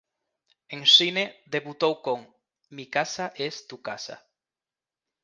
En cine debutou con "Mi casa es tu casa".